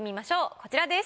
こちらです。